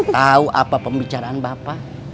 tahu apa pembicaraan bapak